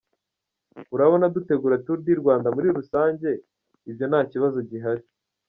Urabona dutegura Tour du Rwanda muri rusange, ibyo nta kibazo gihari.